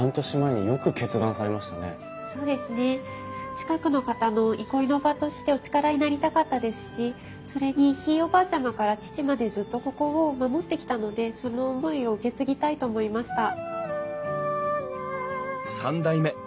そうですね近くの方の憩いの場としてお力になりたかったですしそれにひいおばあちゃまから父までずっとここを守ってきたのでその思いを受け継ぎたいと思いました。